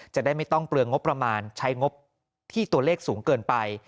จะได้ไม่ต้องเปลืองงบประมาณใช้งบที่ตัวเลขสูงเกินไป